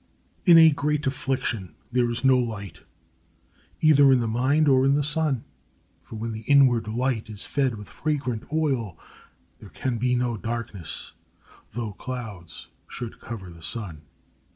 In a great affliction there is no light, either in the mind or in the sun; for when the inward light is fed with fragrant oil, there can be no darkness, though clouds should cover the sun.